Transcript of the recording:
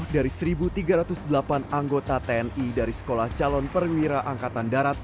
sembilan ratus sembilan puluh dari seribu tiga ratus delapan anggota tni dari sekolah calon perwira angkatan darat